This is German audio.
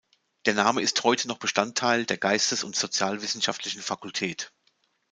Der Name ist heute noch Bestandteil der geistes- und sozialwissenschaftlichen Fakultät.